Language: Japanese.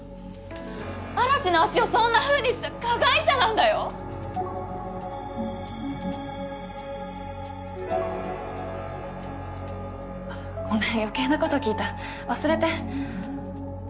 嵐の足をそんなふうにした加害者なんだよあっごめん余計なこと聞いた忘れて。